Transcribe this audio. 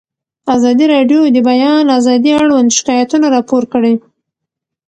ازادي راډیو د د بیان آزادي اړوند شکایتونه راپور کړي.